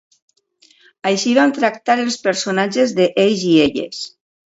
Així vam tractar els personatges de "Ells i elles".